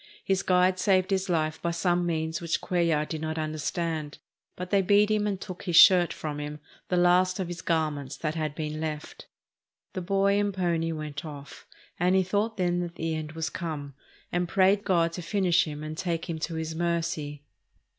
His guide saved his life by some means which Cuellar did not understand. But they beat him and took his shirt from him, the last of his garments that had been left. The boy and pony went off, and he thought then that the end was come and prayed God to finish him and take him to His mercy.